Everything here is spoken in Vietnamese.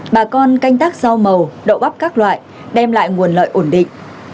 bà con canh tác rau màu đậu bắp các loại đem lại nguồn lợi ổn định